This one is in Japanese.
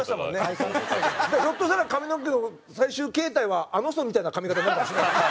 ひょっとしたら髪の毛の最終形態はあの人みたいな髪形になるかもしれない。